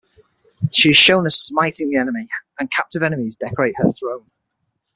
She is shown smiting the enemy, and captive enemies decorate her throne.